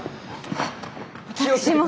私も。